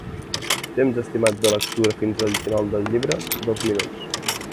Temps estimat de lectura fins al final del llibre: dos minuts.